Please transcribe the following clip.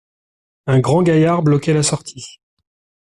Un grand gaillard bloquait la sortie.